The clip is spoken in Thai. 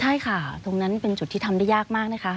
ใช่ค่ะตรงนั้นเป็นจุดที่ทำได้ยากมากนะคะ